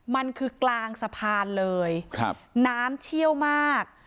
มันคือกลางสะพานเลยครับน้ำเชี่ยวมาก